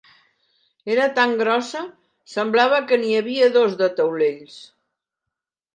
Era tan grossa, semblava que n'hi havia dos de taulells.